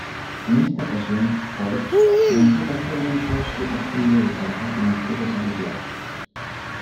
En esta ocasión, Ford rompió parcialmente su costumbre de trabajar con actores habituales.